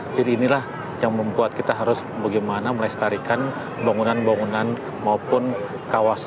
jadi inilah yang membuat kita harus bagaimana melestarikan bangunan bangunan maupun kawasan